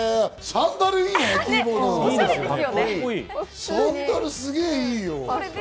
サンダルすげぇいいよ。